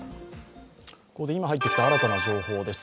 ここで今入ってきた新たな情報です。